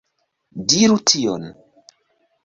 Diru tion.